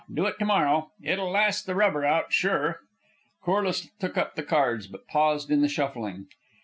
Do it to morrow. It'll last the rubber out, sure." Corliss took up the cards, but paused in the shuffling.